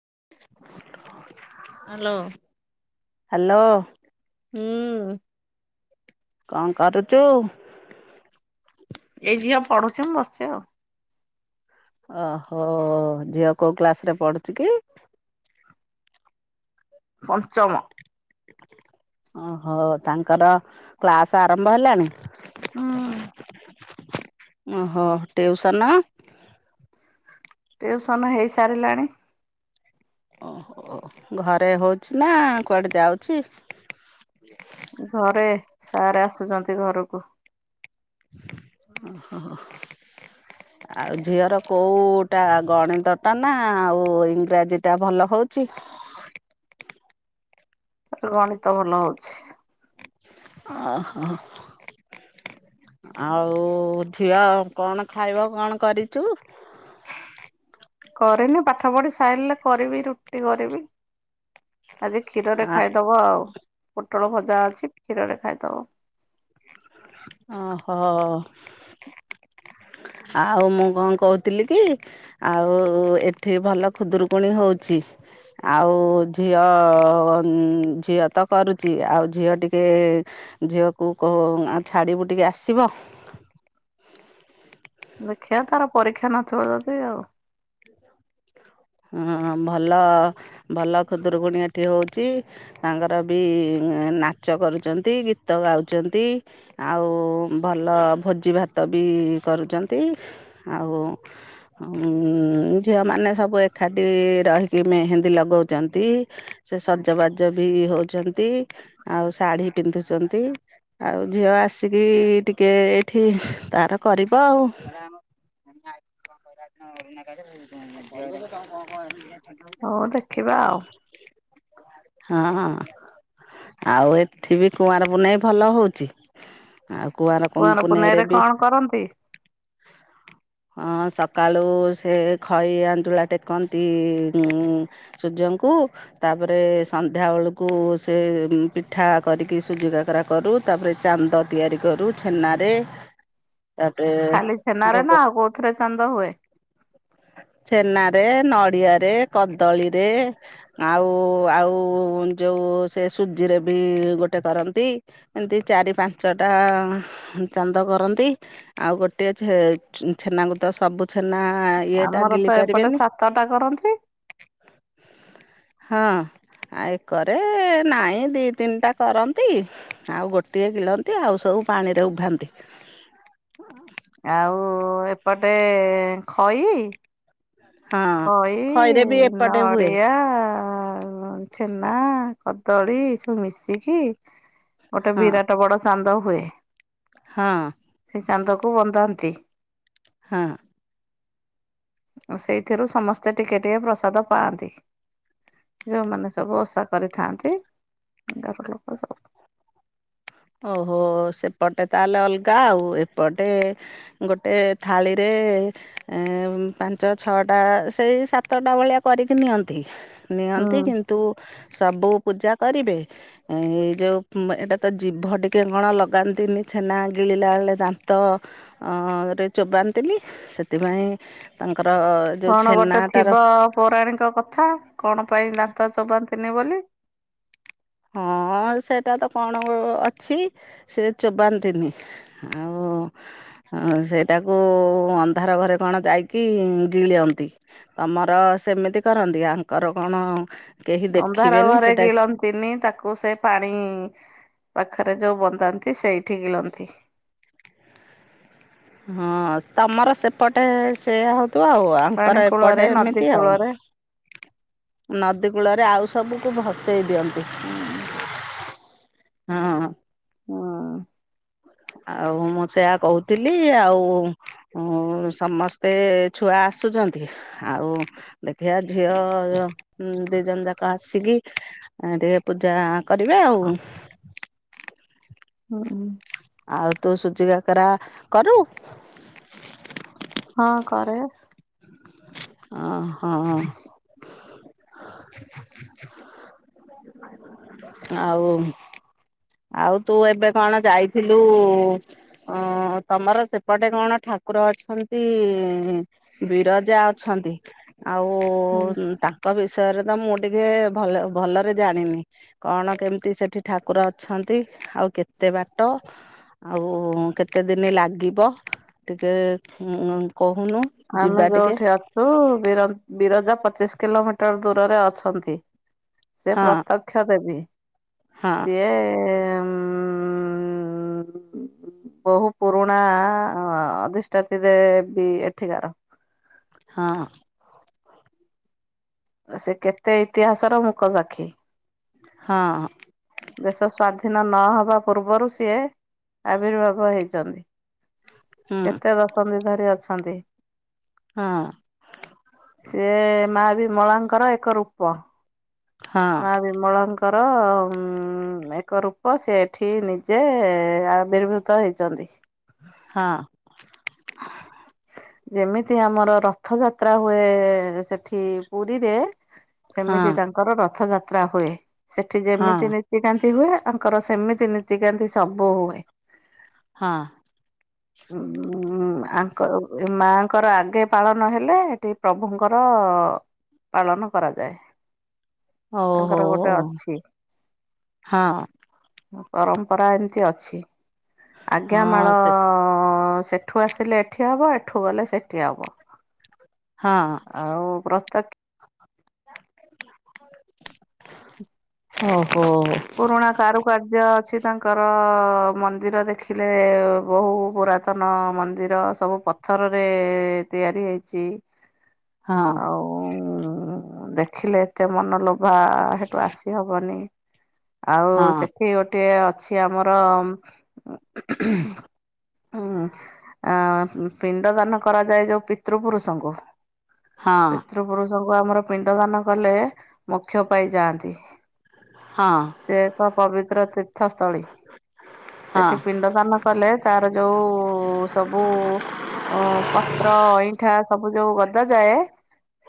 [inaudible] Hello. Hello ହୁଁ। କଣ କରୁଚୁ? ଏଇ ଝିଅ ପଢୁଛି। ମୁଁ ବସିଚି ଆଉ। ଓହୋ! ଝିଅ କୋଉ କ୍ଲାସ ରେ ପଢୁଛି କି? ପଞ୍ଚମ। ଓହୋ! ତାଙ୍କର କ୍ଳାସ ଆରମ୍ଭ ହେଲାଣି? ହୁଁ। ଓହୋ! ଟ୍ୟୁସନ? ଟ୍ୟୁସନ ହେଇସାରିଲାଣି। ଓହୋ! ଘରେ ହଉଚି ନା କୁଆଡେ ଯାଉଛି? ଘରେ! ସାର୍ ଆସୁଛନ୍ତି ଘରକୁ। ଓହୋ ହ। ଆଉ ଝିଅର କୋଉ-ଉ-ଉଟା ଗଣିତ ଟା ନା ଆଉ ଇଂରାଜୀ ଟା ଭଲ ହଉ? ଚି ଗଣିତ ଭଲ ହଉଛି। ଅ ହୋ। ଆଉ, ଝିଅ କଣ ଖାଇବ? କଣ କରିଛୁ? [inaudible] କରିନି। ପାଠ ପଢ଼ି ସାଇରଲେ କରିବି ରୁଟି କରିବି। ଆଜି କ୍ଷୀରରେ ଆ ଖାଇଦବ ଆଉ। ପୋଟଳ ଭଜା ଅଛି, କ୍ଷୀରରେ ଖାଇଦବ। ଓହୋ ଓ! ଆଉ, ମୁଁ କଣ କହୁଥିଲି କି? ଆଉ ଏଠି ଭଲ ଖୁଦୁରୁକୁଣୀ ହଉଛି। ଆଉ-ଉ, ଝିଅ-ଅ ଝିଅ ତ କରୁଛି। ଆଉ ଝିଅ ଟିକେ ଏ ଝିଅକୁ କହ, ଛାଡିବୁ ଟିକେ ଆସିବ? ଦେଖିବା!, ତାର ପରୀକ୍ଷା ନଥିବ, ଯଦି ଆଉ [inaudible] ହଁ, ଭଲ ଭଲ ଖୁଦୁରୁକୁଣୀ ଏଠି ହଉଛି। ତାଙ୍କର ବି ନାଚ କରୁଛନ୍ତି, ଗୀତ ଗାଉଛନ୍ତି, ଆଉ ଭଲ ଭୋଜି ଭାତ ବି ଇ କରୁଚନ୍ତି। ଆଉ-ଉଁ ଝିଅମାନେ ସବୁ ଏକାଠି ରହିକି ମେହେନ୍ଦୀ ଲଗଉଚନ୍ତି। ସେ ସଜବାଜ ବି ହଉଛନ୍ତି, ଆଉ ଶାଢୀ ପିନ୍ଧୁଛନ୍ତି। ଆଉ, ଝିଅ ଆସିକି ଟିକେ ଏଇଠି ତାର କରିବ ଆଉ। [inaudible] ହଉ ଦେଖିବା ଆଉ। ହଁ, ହଁ। ଆଉ, ଏଠି ବି କୁଆଁରପୂନେଇଁ ଭଲ ହଉଚି। ଆଉ କୁଆଁର ପୁଁ ପୁନେଇଁରେ ପୁନେଇରେ ବି ଅଁ କଣ କରନ୍ତି? ସ କାଳୁ ସେ ଖଈ ଆଞ୍ଜୁଳା ଟେକନ୍ତି ଉଁ ସୂର୍ଯ୍ୟଙ୍କୁ ତାପରେ ସନ୍ଧ୍ୟା ଓଳୁକୁ ସେ ପିଠା କରିକି ସୁଜି କକରା କରୁ ତାପରେ ଚାନ୍ଦ ତିଆରି କରୁ ଛେ ନାରେ। ଖାଲି ଛେନାରେ ନାଁ ଆଉ କୋଉଥିରେ ଚାନ୍ଦ ହୁଏ? ଛେନାରେ ନଡ଼ିଆରେ କଦଳୀରେ ଆଉ ଆଉ ଯୋଉ ସେ ସୁଜିରେ ବି ଗୋଟେ କରନ୍ତି ଏନ୍ତି ଚାରି ପାଞ୍ଚଟା ଚାନ୍ଦ କରନ୍ତି ଆଉ ଗୋଟିଏ ଛେ ଛେନାଙ୍କୁ ତ ସବୁ ଛେନା ଇଏଟା ଆମର ଗିଲି ତ ଏପଟେ ପାରିବେନି ସାତଟା କରନ୍ତି। ହଁ। ଆ ଏକରେ ନାଇଁ ଦି ତିନିଟା କରନ୍ତି ଆଉ ଗୋଟିଏ ଗିଳନ୍ତି ଆଉ ସଉ ଉ ପାଣିରେ ଉଭାନ୍ତି। ଆଉ ଏପଟେ ଖଇ ହଁ ଖଇରେ ଖଇ ବି ଏପଟେ ହୁଏ ନଡ଼ିଆ ଅ ଛେନା କଦଳୀ ଏ ସବୁ ମିଶିକି ଗୋଟେ ହଁ ବିରାଟ ବଡ଼ ଚାନ୍ଦ ହୁଏ। ହଁ। ସେଇ ଚାନ୍ଦକୁ ବନ୍ଦାନ୍ତି। ହଁ। ସେଇଥିରୁ ସମସ୍ତେ ଟିକେ ଟିକେ ପ୍ରସାଦ ପାଆନ୍ତି। ଯୋଉମାନେ ସବୁ ଓଷା କରିଥାଆନ୍ତି ଦାଗ ଲୋକ ସ ଓହୋ ସେପଟେ ତାହେଲେ ଅଲଗା ଆଉ ଏପଟେ ଗୋଟେ ଥାଳିରେ ଏ ଏଁ ପାଞ୍ଚ ଛଅଟା ସେଇ ସାତଟା ଭଳିଆ କରିକି ନିଅନ୍ତି। ନିଅନ୍ତି ହୁଁ କିନ୍ତୁ ସବୁ ପୂଜା କରିବେ ଏ ଯୋଉ ଉଁ ଏଇଟା ତ ଜିଭ ଟିକେ କଣ ଲଗାନ୍ତିନି ଛେନା ଗିଳିଲା ଏଳେ ଦାନ୍ତରେ ଚୋବାନ୍ତି ଇନି ସେଥିପାଇଁ ଅଁ କଣ ଗୋଟେ ଥିବ ପୌରାଣିକ କଥା କଣ ପାଇଁ ଦା ତ ଚୋବାନ୍ତିନି ବୋଲି। ହଁ ସେଇଟା ତ କଣ ଗୋ ଅଛି ସେ ଚୋବାନ୍ତିନି ଆଉ ଅ ଅ ସେଇଟାକୁ ଅନ୍ଧାର ଘରେ କଣ ଯାଇକି ଗିଳିଅନ୍ତି। ତମର ସେମିତି କରନ୍ତି ଆଙ୍କର କଣ କେହି ଅନ୍ଧାର ଦେଖିବେନି ଘରେ ସେଟା ଗିଲନ୍ତିନି ତାକୁ କୁ ସେ ପାଣି ପାଖରେ ଯୋଉ ବନ୍ଦାନ୍ତି ସେଇଠି ଗିଳନ୍ତି। ହଁ ତମର ସେପଟେ ସେ ହ ତୁ ଆଉ ପାଣି ଆଙ୍କର କୂଳରେ ଏପଟେ ନଦୀ ଏମିତି ଆଉ କୂଳରେ ନଦୀ କୂଳରେ ଆଉ ସବୁକୁ ଭସେଇ ଦିଅନ୍ତି ହୁଁ ହଁ। ଅଁ। [inaudible] ଆଉ ମୁଁ ସେଇଆ କହୁଥିଲି ଆଉ ଉ ସମସ୍ତେ ଛୁଆ ଆସୁଚ ଅନ୍ତି ଆଉ ଦେଖିଆ ଝିଅ ଯ ଉଁ ଦିଜନ ଯାକ ଆସିକି ଏ ଟିକେ ପୂଜା କରିବେ ଆଉ। [unintelligible] ହଁ ହୁଁ। ଆଉ ତୁ ସୁଜି କାକରା କରୁ? ହଁ କରେ। ଓ ହଁ। [unintelligible] ଆଉ ଆଉ ତୁ ଏବେ କଣ ଯାଇଥିଲୁ ଅଁ ତମର ସେପଟେ କଣ ଠା ଠାକୁର ଅଛନ୍ତି, ବିରଜା ଅଛନ୍ତି। ଆଉ, ହୁଁ ତାଙ୍କ ବିଷ ବିଷୟରେ ତ ମୁଁ ଟିକେ ଭଲ ଭଲରେ ଜାଣିନି, କଣ, କେମିତି, ସେଠି ଠାକୁର ଅ ଅଛନ୍ତି, ଆଉ କେତେ ବାଟ? ଆଉ, କେତେ ଦିନ ଲାଗିବ, ଟିକେ କହୁନୁ ଆମେ ଯିବା ଟିକେ ଯୋଉଠି ଅଛୁ, ବିର ବିରଜା ପଚିଶ୍ କିଲୋମିଟର, ଦୂରରେ ଅଛନ୍ତି। ସେ ହଁ ପ୍ରତ୍ୟକ୍ଷ ଦେବି। ହଁ ସିଏ ହୁଁ। ବହୁ ପୁରୁଣା, ଅଧିଷ୍ଠାତି ଦେବୀ। ଏଠିକାର। ହଁ। ସେ କେତେ ଇତିହାସର ମୁକ ସାକ୍ଷୀ। ହଁ। ଦେଶ ସ୍ବାଧୀନ ନହବା ପୂର୍ବରୁ, ସିଏ ଆବିର୍ଭାବ ହେଇଛନ୍ତି। ହୁଁ କେତେ ଦଶନ୍ଧି ଧରି ଅଛନ୍ତି। ହଁ। ସେ, ମା ବିମଳାଙ୍କର ଏକ ରୂପ। ହଁ ମା ବିମଳଙ୍କ ଙ୍କର ଏକ ରୂପ, ସେ ଏଠି ନିଜେ ଆବିର୍ଭୂତ ହେଇଚନ୍ତି। [inaudible] ହଁ। ଯେମିତି, ଆମର ରଥଯାତ୍ରା ହୁଏ। ସେଠି ପୁରୀରେ ହଁ ସେମିତି ତାଙ୍କର ରଥଯାତ୍ରା ହୁଏ। ସେଠି ହଁ ଯେମିତି ନିତିକାନ୍ତି କାନ୍ତି ହୁଏ, ତାଙ୍କର ସେମିତି ନୀତିକାନ୍ତି ସବୁ ହୁଏ। ହଁ। [inaudible] [inaudible] ଆଙ୍କର, ମାଆଙ୍କର ଆଗେ ପାଳନ ହେଲେ, ଏଠି ପ୍ରଭୁଙ୍କର ପାଳନ କରାଯାଏ। ତାଙ୍କର ଓହୋ ଗୋଟେ ଅଛି। ହଁ ପରମ୍ପରା ଏମିତି ଅଛି। ଆଜ୍ଞାମାଳ ହଁ ସେ ଠୁ ଆସିଲେ ଏଠି ହବ ଏଠୁ ଗଲେ ସେଠି ହବ। ହଁ ଆଉ ପ୍ରତ୍ୟକ୍ଷ। ହ। ଓହୋ ପୁରୁଣା କାରୁକାର୍ଯ୍ୟ ଅଛି। ତାଙ୍କର ମନ୍ଦିର ଦେଖିଲେ ବହୁ ପୁରାତନ ମନ୍ଦିର ସବୁ ପଥରରେ ତିଆରି ହେଇଛି। ହଁ ଆଉ ଦେଖିଲେ ଏତେ ମନ ଲୋ ବା ସେଠୁ ଆସି ହବନି। ଆଉ ହଁ ସେଠି ଗୋଟେ ଅଛି ଆମର ହୁଁ। ପିଣ୍ଡଦାନ କରାଯାଏ ଯୋଉ ପିତୃ ପୁରୁଷଙ୍କୁ ହଁ ପିତୃପୁୁରୁଷ। ଆମର ପିଣ୍ଡଦାନ କଲେ ମୋକ୍ଷ ପାଇଯାଆନ୍ତି। ହଁ ସେ ଏକ ପବିତ୍ର ତୀର୍ଥସ୍ଥଳୀ। ହଁ ସେଠି ପିଣ୍ଡଦାନ କଲେ ତାର ଯୋଉ ସବୁ ଅଇଁଠା ସବୁ ଯୋଉ ଗଦା ଯାଏ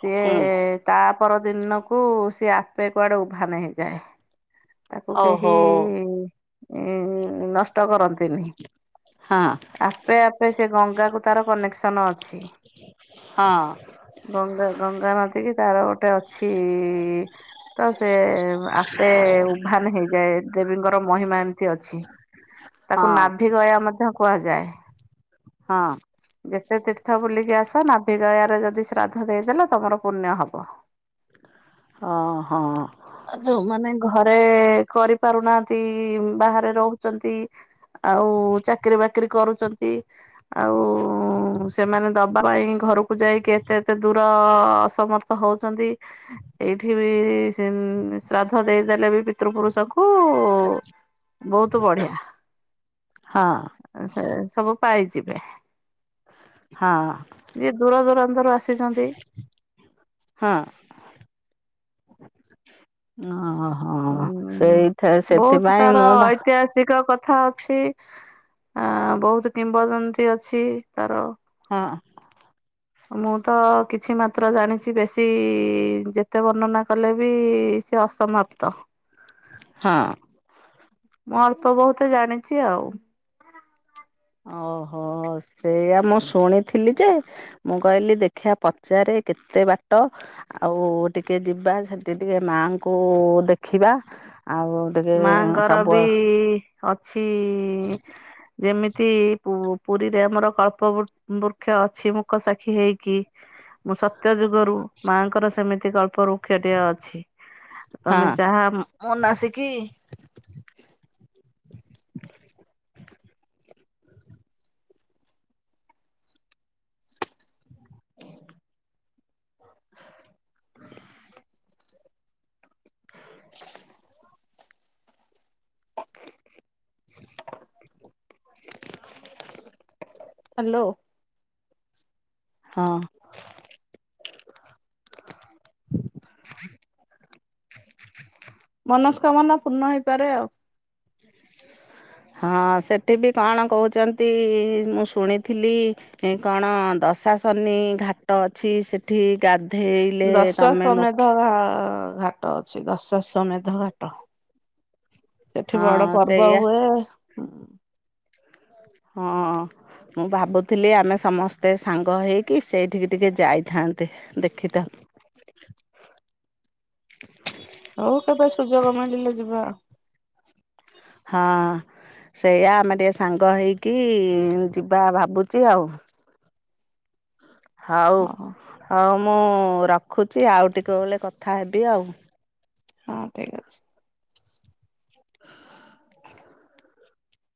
ସିଏ ହୁଁ ତା ପରଦିନକୁ ସିଏ ଆପେ କୁଆଡେ ଉଭାନ ହେଇଯାଏ। ତାକୁ କେହି ଓହୋ ଇଁ ନଷ୍ଟ କରନ୍ତିନି। ହଁ ଆପେ ଆପେ ସେ ଗଙ୍ଗାକୁ ତାର କନେକ୍ସ ସନ ଅଛି ହଁ ଗଙ୍ଗା ଗଙ୍ଗା ନଦୀ କି ତାର ଗୋଟେ ଅ ଅଛି ତ ସେ ଆପେ। ଉଭାନ ହେଇଯାଏ ଦେବୀଙ୍କର ମହିମା ଏମିତି ଅଛି ତାକୁ ହଁ ନାଭି ଗୟା ମଧ୍ୟ କୁହାଯାଏ। ହଁ। ଯେତେ ତୀର୍ଥ ବୁଲିକି ଆସ ନାଭିଗୟାରେ ଯଦି ଶ୍ରାଦ୍ଧ ଦେଇଦେଲ ତମର ପୁଣ୍ୟ ହବ। ହଁ ହଁ। ଆ ଯୋଉମାନେ ଘରେ କରିପାରୁନାହାନ୍ତି ବାହାରେ ରହୁଛନ୍ତି। ଆଉ ଚାକିରି ବାକିରି କରୁଛନ୍ତି ଆଉ ସେମାନେ ଦବା ପାଇଁ ଘରକୁ ଯାଇକି ଏତେ ଏତେ ଦୂର ଅସମର୍ଥ ହଉଛନ୍ତି ଏଇଠି ବି ଇଁ ଶ୍ରାଦ୍ଧ ଦେଇଦେଲେ ବି ପିତୃପୁରୁଷ ଙ୍କୁ ବହୁତ ବଢିଆ। ହଁ ଏ ସେ ସବୁ ପାଇଛି। ବେ ହଁ ଯିଏ ଦୂର ଦୂରାନ୍ତରୁ ଆସ ଆସିଛନ୍ତି। ଓ ହୋ ହୋ ହଁ ଉଁ ସେଇଠା ବହୁତ ସେଥିପାଇଁ ତାର ମୁଁ ବା। ଐତିହାସିକ କଥା ଅଛି ଆ ବହୁତ କିମ୍ବଦନ୍ତୀ ଅଛି ତାର। ହଁ। ମୁଁ ତ କିଛି ମାତ୍ର ଜାଣିଛି ବେଶୀ ଯେତେ ବର୍ଣ୍ଣନା କଲେ ବି ଏ ଅସମାପ୍ତ ହଁ ମୁଁ ଆଉ ଅଳ୍ପ ବହୁତ ଜାଣିଛି ଆଉ। ଓହୋ ସେଇଆ ମୁଁ ଶୁଣିଥିଲି ଯେ ମୁଁ କହିଲି ଦେଖିବା ପଚାରେ କେତେ ବାଟ ଆଉ ଟିକେ ଯିବା ସେଠି ଟିକେ ମାଙ୍କୁ ଦେଖିବା। ଆଉ ଟିକେ ମା ଙ୍କର ସବୁ ବି ଅଛି ଯେମିତି ପୁ ପୁ-ପୁରୀରେ ଆମର କଳ୍ପବୃ ବୃକ୍ଷ ଅଛି ମୁକ ସାକ୍ଷୀ ହେଇକି ମୁଁ ସ ସତ୍ୟ ଯୁଗରୁ ମାଆଙ୍କର ସେମିତି କଳ୍ପ ବୃକ୍ଷଟିଏ ଅଛି। ହଁ ତମେ ଯାହା ମନାସିକି। ହାଲୋ। ହଁ। ମନସ୍କାମନା ପୂର୍ଣ୍ଣ ହେଇପାରେ ଆଉ। ହଁ ସେଠି ବି କଣ କହୁଛନ୍ତି ମୁଁ ଶୁଣିଥିଲି ହେଁ କଣ ଦ ପ୍ରଶାସନୀ ଘାଟ ଅଛି ସେ ଦଶଟା ସମୟ ମୋକ୍ଷ ଧର ଆ ଘା ଘାଟ ଅଛି ଦଶ ସମେଧ ଘାଟ ସେଠି ବଡ ହଁ ପର୍ବ ସେଇଆ ହୁଏ। ହୁଁ, ହଁ। ମୁଁ ଭାବୁଥିଲି ଆମେ ସମସ୍ତେ ସାଙ୍ଗ ହେଇକି ସେଇଠିକି ଟିକେ ଯାଇଥାନ୍ତେ ଦେଖିଥାନ୍ତ। ହଉ କେବେ ସୁଯୋଗ ମଳିଲେ ଯିବା। ହଁ। ସେଇଆ ଆମେ ଟିକେ ସାଙ୍ଗ ହେଇକି ଯିବା ଭାବୁଛି ଆଉ। ହଉ ଆଉ। ହଉ ମୁଁ ରଖୁଛି ଆଉ ଟିକେ ବଳେ କଥା ହେବି ଆଉ। ହଁ ଠିକ ଅଛି। ହୁ।